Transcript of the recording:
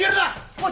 おい。